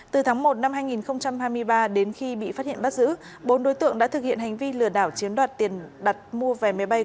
từ tháng một năm hai nghìn hai mươi ba đến khi bị phát hiện bắt giữ bốn đối tượng đã thực hiện hành vi lừa đảo chiếm đoạt tiền đặt mua vé máy bay